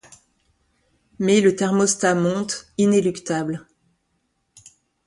Mais le thermostat monte, inéluctable.